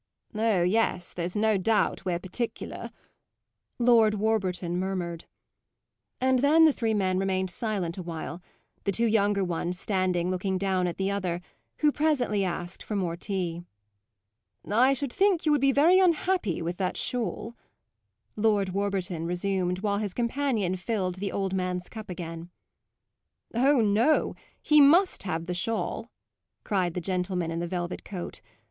"Oh yes, there's no doubt we're particular," Lord Warburton murmured. And then the three men remained silent a while; the two younger ones standing looking down at the other, who presently asked for more tea. "I should think you would be very unhappy with that shawl," Lord Warburton resumed while his companion filled the old man's cup again. "Oh no, he must have the shawl!" cried the gentleman in the velvet coat.